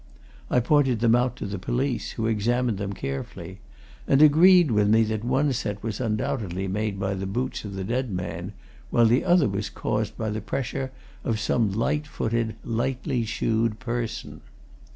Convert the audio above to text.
I pointed them out to the police, who examined them carefully, and agreed with me that one set was undoubtedly made by the boots of the dead man while the other was caused by the pressure of some light footed, lightly shoed person.